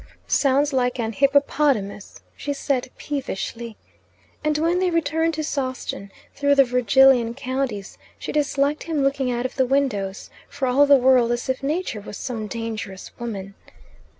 "Sounds like an hippopotamus," she said peevishly. And when they returned to Sawston through the Virgilian counties, she disliked him looking out of the windows, for all the world as if Nature was some dangerous woman.